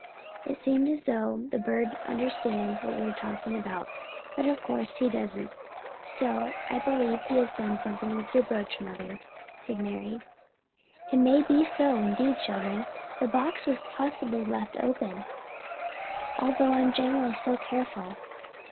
"It seems as though the bird understands what we are talking about, but of course he doesn't. Still, I believe he has done something with your brooch, mother," said Mari. "It may be so, indeed, children. The box was possibly left open, although I am generally so careful.